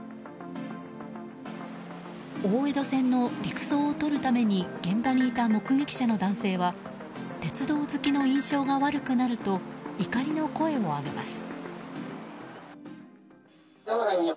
大江戸線の陸送を撮るために現場にいた目撃者の男性は鉄道好きの印象が悪くなると怒りの声を上げます。